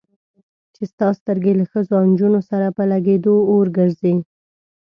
چې ستا سترګې له ښځو او نجونو سره په لګېدو اور ګرځي.